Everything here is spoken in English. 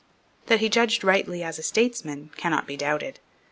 That he judged rightly as a statesman cannot be doubted.